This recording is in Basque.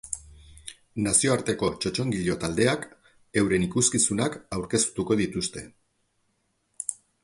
Nazioarteko txontxongilo taldeak euren ikuskizunak aurkeztuko dituzte.